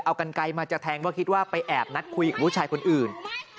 เอากันไกลมาจะแทงว่าคิดว่าไปแอบนัดคุยกับผู้ชายคนอื่น